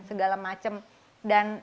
segala macem dan